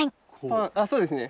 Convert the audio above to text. ああそうですね。